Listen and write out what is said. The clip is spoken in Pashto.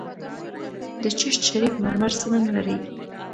د چشت شریف مرمر څه رنګ لري؟